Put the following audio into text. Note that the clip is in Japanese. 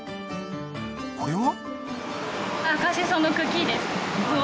これは？